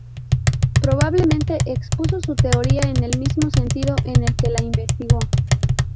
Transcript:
Probablemente expuso su teoría en el mismo sentido en el que la investigó.